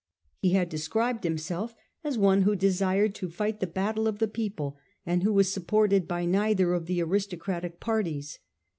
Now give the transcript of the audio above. He had described himself as one who desired to fight the battle of the people, and who was supported by neither of the aristocratic parties.